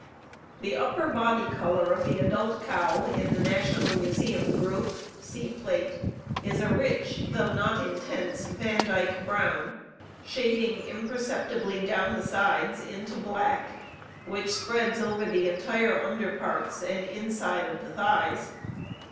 _ The upper body color of the adult cow in the National Museum group (see Plate) is a rich, though not intense, Vandyke brown, shading imperceptibly down the sides into black, which spreads over the entire under parts and inside of the thighs.